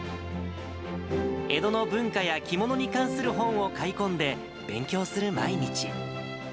江戸の文化や着物に関する本を買い込んで、勉強する毎日。